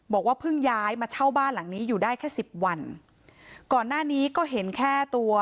บอกว่าเพิ่งย้ายมาเช่าบ้านหลังนี้อยู่ได้แค่สิบวันก่อนหน้านี้ก็เห็นแค่ตัว